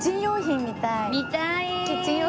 見たい！